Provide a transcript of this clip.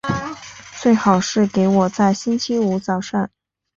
最好是给我在星期五早上